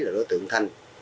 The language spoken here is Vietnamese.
là đối tượng thanh